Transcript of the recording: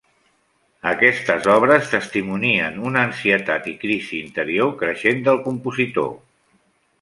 Aquestes obres testimonien una ansietat i crisi interior creixent del compositor.